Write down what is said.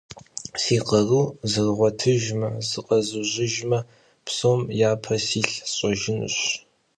Си къару зэрыгъуэтыжмэ, зыкъэзужьыжмэ, псом япэ силъ сщӀэжынущ.